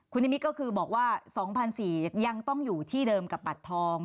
คุณนิมิตรก็คือบอกว่า๒๔๐๐ยังต้องอยู่ที่เดิมกับบัตรทอง